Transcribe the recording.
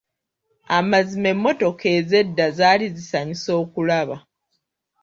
Amazima emmotoka ez'edda zaali zisanyusa okulaba.